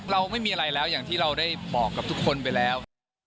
เราไม่มีอะไรแล้วอย่างที่เราได้บอกกับทุกคนไปแล้ว